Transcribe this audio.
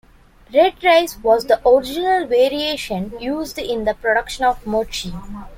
Red rice was the original variation used in the production of mochi.